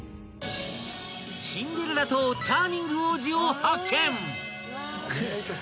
［シンデレラとチャーミング王子を発見］